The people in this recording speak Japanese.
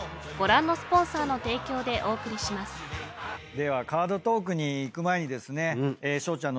⁉ではカードトークにいく前にですね。